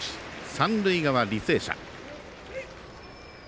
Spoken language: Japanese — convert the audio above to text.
三塁側、履正社。